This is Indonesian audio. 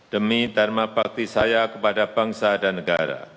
demi tarmabakti saya kepada bangsa dan negara